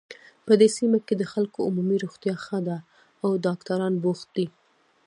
په دې سیمه کې د خلکو عمومي روغتیا ښه ده او ډاکټران بوخت دي